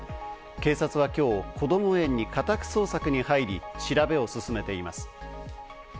警察は今日、こども園に家宅捜索に入り、調べを進めています。